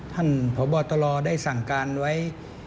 ท่านพบตรได้สั่งการไว้